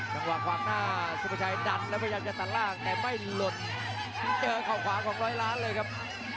จังหวะขวางหน้าสุภาชัยดันแล้วพยายามจะตัดล่างแต่ไม่หลุดเจอเข้าขวาของร้อยล้านเลยครับ